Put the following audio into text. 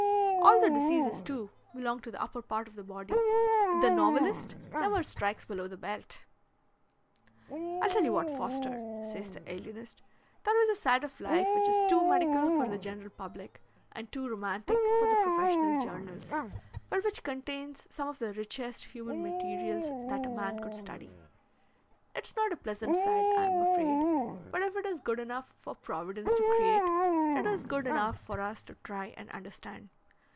All the diseases, too, belong to the upper part of the body. The novelist never strikes below the belt." "I'll tell you what, Foster," says the alienist, "there is a side of life which is too medical for the general public and too romantic for the professional journals, but which contains some of the richest human materials that a man could study. It's not a pleasant side, I am afraid, but if it is good enough for Providence to create, it is good enough for us to try and understand.